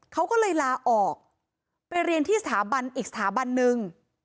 เขาก็เลยลาออกไปเรียนที่สถาบันอีกสถาบันหนึ่ง